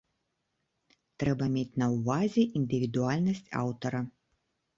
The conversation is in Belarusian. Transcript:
Трэба мець на ўвазе індывідуальнасць аўтара.